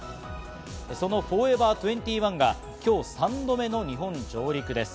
そのフォーエバー２１が今日、３度目の日本上陸です。